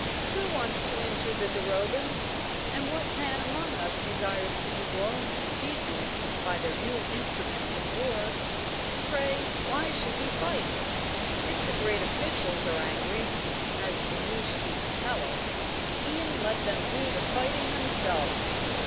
"Who wants to injure the Durobans? And what man among us desires to be blown to pieces by their new instruments of war? Pray, why should we fight? If the great officials are angry, as the news sheets tell us, e'en let them do the fighting themselves."